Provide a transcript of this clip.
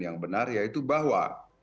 yang benar yaitu bahwa